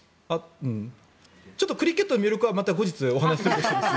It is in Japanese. ちょっとクリケットの魅力はまた後日お話しするとして。